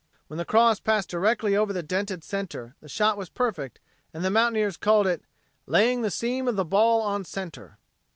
When the cross passed directly over the dented center, the shot was perfect and the mountaineers called it "laying the seam of the ball on center."